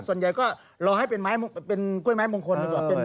ส่วนใหญ่ก็รอให้เป็นกล้วยไม้มงคลดีกว่า